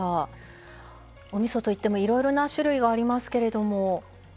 おみそといってもいろいろな種類がありますけど。